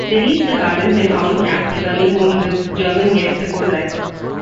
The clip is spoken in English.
They reached the gardens and found Kapp returning home with a German Gestapo driver.